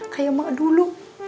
kayak emak dulu